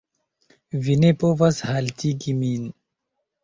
vi ne povas haltigi min.